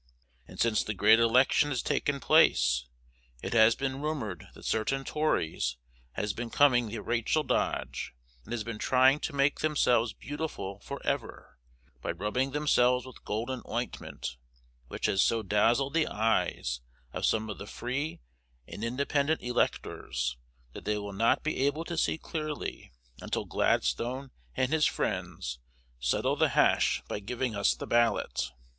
And since the Great Election has taken place, it has been rumoured that certain Tories has been coming the Rachel dodge, and has been trying to make themselves beautiful for ever, by rubbing themselves with golden ointment, which has so dazzled the eyes of some of the free and independent electors, that they will not be able to see clearly until Gladstone and his friends settle the hash by giving us the ballot.